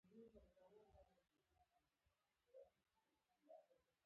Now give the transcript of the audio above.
ګډې اوسېدا او اجتماعي کار کولو برکت ښودل شوی.